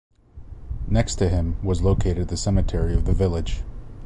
Next to him was located the cemetery of the village.